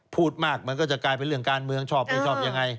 พูดมากมันก็จะกลายเป็นเรื่องการเมืองชอบไม่ชอบยังไง